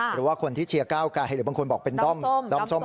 หรือว่าคนที่เชียร์เก้ากลายหรือบางคนบอกตอมส้ม